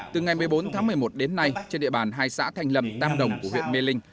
từ ngày một mươi bốn tháng một mươi một đến nay trên địa bàn hai xã thanh lâm tam đồng của huyện mê linh